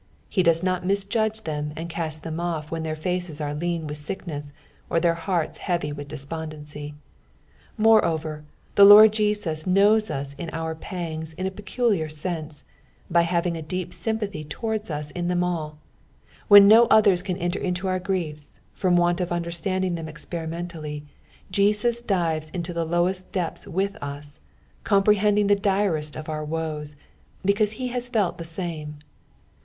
He does not mis judge them and cast Ihem oS when their faces are lean with sickness, or their hearts heavy with despondency. Moreover, the Lord Jesus knows us in our psngs in a peculiar sense, by having a deep sympathy towards us in them all ; when nu others can enter into our griefs, from want of understandinj^ them experimentully, Jesus dives into the lowest depths with us, comprehendmg the direst of nur woes, because he has felt the same.